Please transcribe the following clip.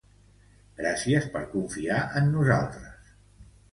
Gràcies per confiar en nosaltres.